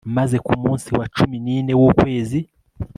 maze ku munsi wa cumi n'ine w'ukwezi